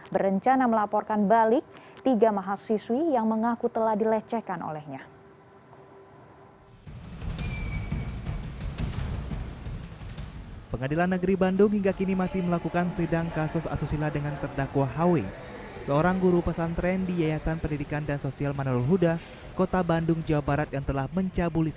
berencana melaporkan balik tiga mahasiswi yang mengaku telah dilecehkan olehnya